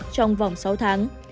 trong vòng sáu tháng